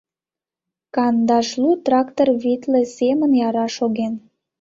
«Кандашлу трактор витле сменым яра шоген».